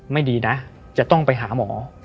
ไม่ดีนะจะต้องไปหาหมอ